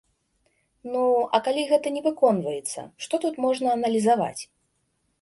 Ну, а калі гэта не выконваецца, што тут можна аналізаваць?